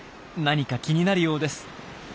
何か気になるようです。